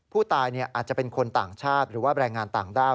ผู้ตายอาจจะเป็นคนต่างชาติหรือว่าแรงงานต่างด้าว